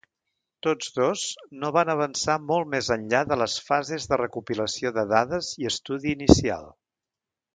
Tots dos no van avançar molt més enllà de les fases de recopilació de dades i estudi inicial.